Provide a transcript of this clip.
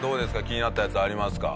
気になったやつありますか？